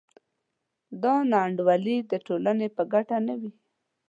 دا نا انډولي د ټولنې په ګټه نه وي.